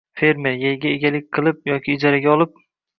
«Fermer — yerga egalik qilib yoki ijaraga olib